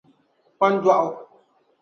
kpan'dɔɣu.